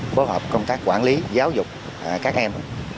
phối hợp công tác quản lý giáo dục các em